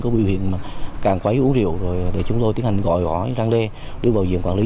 có biểu hiện càng quấy uống rượu